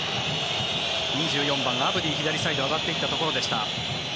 ２４番、アブディ、左サイド上がっていったところでした。